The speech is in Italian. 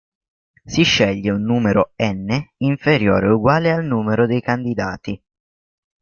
Si sceglie un numero "n" inferiore o uguale al numero dei candidati.